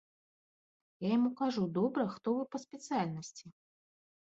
Я яму кажу, добра, хто вы па спецыяльнасці?